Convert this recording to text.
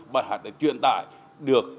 bài hát này truyền tải được